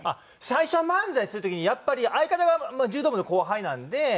最初は漫才する時にやっぱり相方が柔道部の後輩なんで。